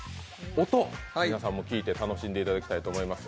音、皆さんも聴いて楽しんでいただきたいと思います。